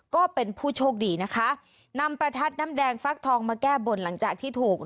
ก็เป็นผู้โชคดีนะคะนำประทัดน้ำแดงฟักทองมาแก้บนหลังจากที่ถูก